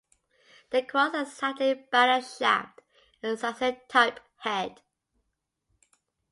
The cross has a slightly battered shaft and Saxon-type head.